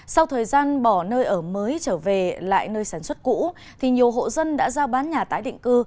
sau thời gian bỏ nơi ở mới trở về lại nơi sản xuất cũ thì nhiều hộ dân đã ra bán nhà tái định cư